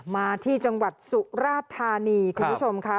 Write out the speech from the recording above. มาที่จังหวัดสุราธานีคุณผู้ชมค่ะ